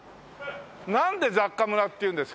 なんで雑貨村っていうんですか？